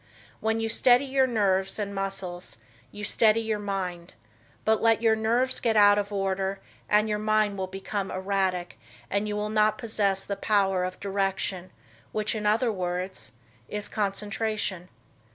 When you steady your nerves and muscles, you steady your mind, but let your nerves get out of order and your mind will become erratic and you will not possess the power of direction, which, in other words, is concentration.